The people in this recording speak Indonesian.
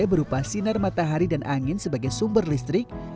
berupa sinar matahari dan angin sebagai sumber listrik